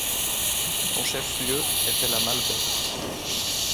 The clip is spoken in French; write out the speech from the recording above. Son chef-lieu était La Malbaie.